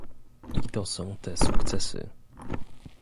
I to są te sukcesy